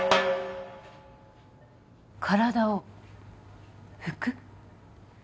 体を拭く？